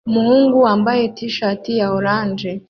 Umuhungu wambaye t-shirt ya orange